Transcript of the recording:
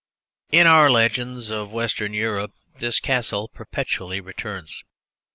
In our legends of Western Europe this Castle perpetually returns.